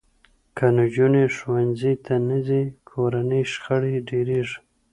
که نجونې ښوونځي ته نه ځي، کورني شخړې ډېرېږي.